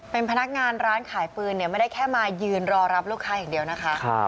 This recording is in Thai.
เป็นพนักงานร้านขายปืนเนี่ยไม่ได้แค่มายืนรอรับลูกค้าอย่างเดียวนะคะ